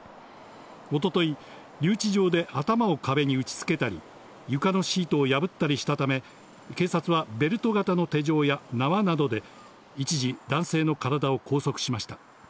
一昨日、留置場で頭を壁に打ち付けたり、床のシートを破ったりしたため、警察はベルト型の手錠や縄などで一時、男性の身体を拘束しました。